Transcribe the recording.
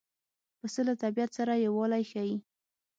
پسه له طبیعت سره یووالی ښيي.